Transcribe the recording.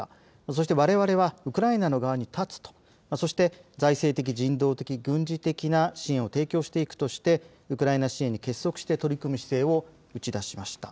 そしてわれわれは、ウクライナの側に立つとそして、財政的、人道的、軍事的な支援を提供していくとしてウクライナ支援に結束して取り組む姿勢を打ち出しました。